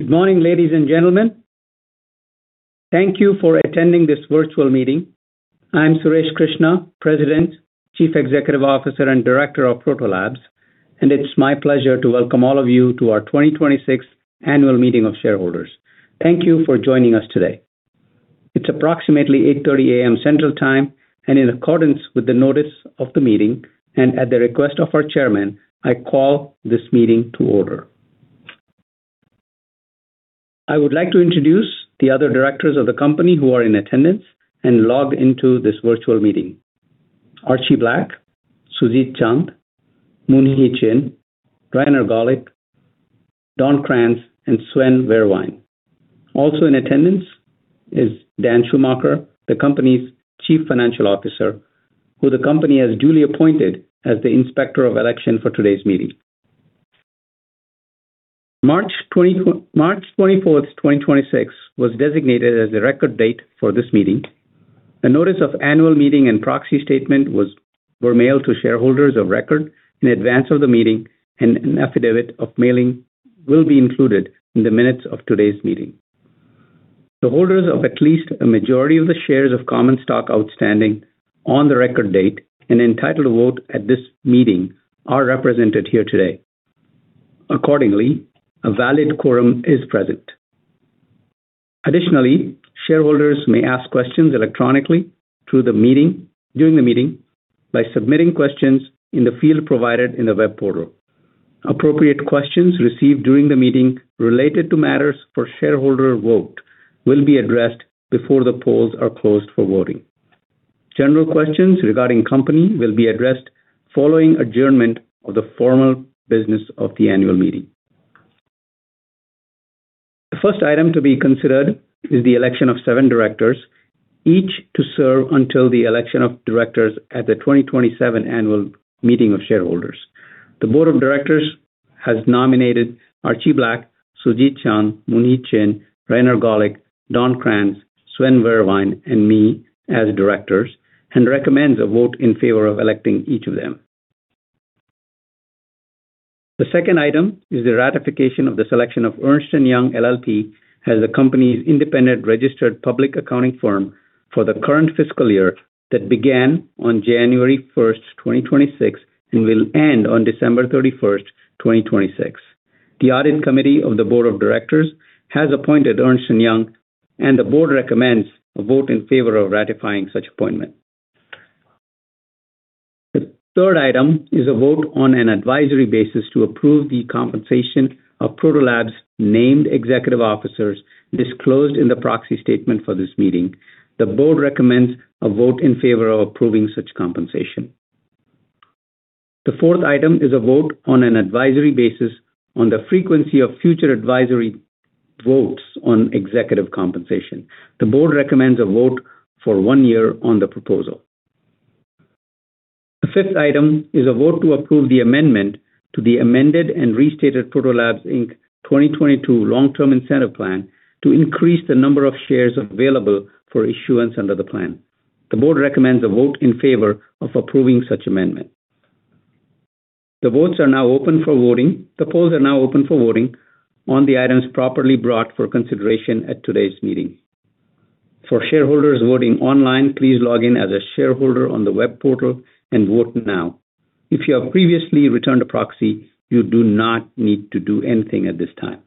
Good morning, ladies and gentlemen. Thank you for attending this virtual meeting. I'm Suresh Krishna, President, Chief Executive Officer, and Director of Proto Labs, and it's my pleasure to welcome all of you to our 2026 annual meeting of shareholders. Thank you for joining us today. It's approximately 8:30 A.M. Central Time, and in accordance with the notice of the meeting and at the request of our Chairman, I call this meeting to order. I would like to introduce the other Directors of the company who are in attendance and logged into this virtual meeting. Archie C. Black, Sujeet Chand, Moonhie Chin, Rainer Gawlick, Donald G. Krantz, and Sven A. Wehrwein. Also in attendance is Dan Schumacher, the company's Chief Financial Officer, who the company has duly appointed as the Inspector of Election for today's meeting. March 24th, 2026 was designated as the record date for this meeting. The notice of annual meeting and proxy statement were mailed to shareholders of record in advance of the meeting, and an affidavit of mailing will be included in the minutes of today's meeting. The holders of at least a majority of the shares of common stock outstanding on the record date and entitled to vote at this meeting are represented here today. Accordingly, a valid quorum is present. Additionally, shareholders may ask questions electronically during the meeting by submitting questions in the field provided in the web portal. Appropriate questions received during the meeting related to matters for shareholder vote will be addressed before the polls are closed for voting. General questions regarding company will be addressed following adjournment of the formal business of the annual meeting. The first item to be considered is the election of seven directors, each to serve until the election of directors at the 2027 annual meeting of shareholders. The board of directors has nominated Archie Black, Sujeet Chand, Moonhie Chin, Rainer Gawlick, Don Krantz, Sven A. Wehrwein, and me as directors, and recommends a vote in favor of electing each of them. The second item is the ratification of the selection of Ernst & Young LLP as the company's independent registered public accounting firm for the current fiscal year that began on January 1st, 2026, and will end on December 31st, 2026. The audit committee of the board of directors has appointed Ernst & Young, and the board recommends a vote in favor of ratifying such appointment. The third item is a vote on an advisory basis to approve the compensation of Proto Labs named executive officers disclosed in the proxy statement for this meeting. The board recommends a vote in favor of approving such compensation. The fourth item is a vote on an advisory basis on the frequency of future advisory votes on executive compensation. The board recommends a vote for one year on the proposal. The fifth item is a vote to approve the amendment to the amended and restated Proto Labs, Inc. 2022 Long-Term Incentive Plan to increase the number of shares available for issuance under the plan. The board recommends a vote in favor of approving such amendment. The votes are now open for voting. The polls are now open for voting on the items properly brought for consideration at today's meeting. For shareholders voting online, please log in as a shareholder on the web portal and vote now. If you have previously returned a proxy, you do not need to do anything at this time.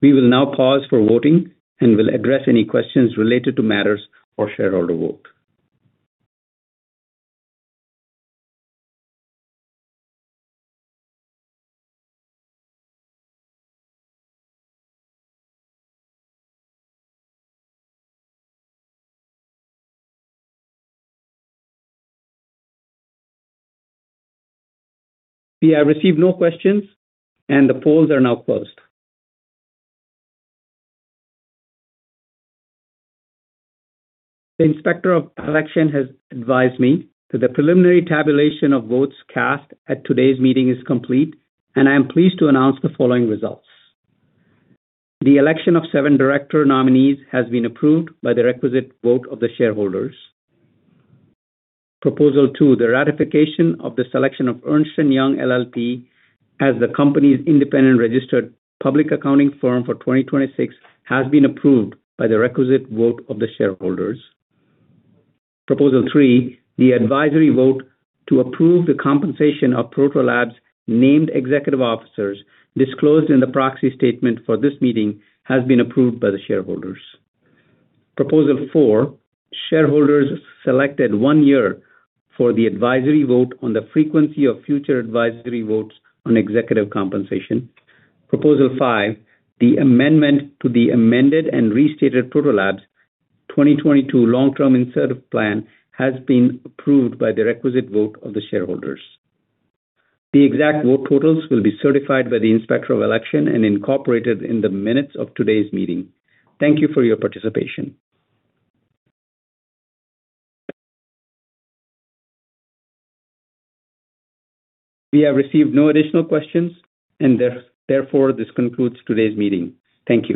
We will now pause for voting and will address any questions related to matters for shareholder vote. We have received no questions, and the polls are now closed. The Inspector of Election has advised me that the preliminary tabulation of votes cast at today's meeting is complete, and I am pleased to announce the following results. The election of seven director nominees has been approved by the requisite vote of the shareholders. Proposal two, the ratification of the selection of Ernst & Young LLP as the company's independent registered public accounting firm for 2026 has been approved by the requisite vote of the shareholders. Proposal three, the advisory vote to approve the compensation of Proto Labs named executive officers disclosed in the proxy statement for this meeting, has been approved by the shareholders. Proposal four, shareholders selected one year for the advisory vote on the frequency of future advisory votes on executive compensation. Proposal five, the amendment to the amended and restated Proto Labs 2022 Long-Term Incentive Plan has been approved by the requisite vote of the shareholders. The exact vote totals will be certified by the Inspector of Election and incorporated in the minutes of today's meeting. Thank you for your participation. We have received no additional questions, and there's, therefore, this concludes today's meeting. Thank you.